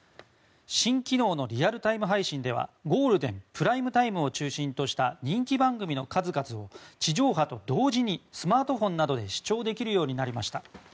新機能のリアルタイム配信ではゴールデン、プライムタイムを中心とした人気番組の数々を地上波と同時にスマートフォンなどで視聴できるようになりました。